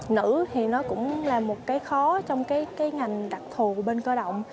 nữ thì nó cũng là một cái khó trong cái ngành đặc thù của bên cơ động